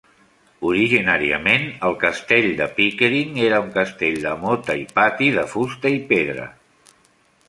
Originàriament, el castell de Pickering era un castell de mota i pati de fusta i pedra.